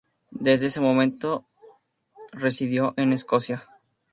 Desde ese momento Desde ese momento residió en Escocia.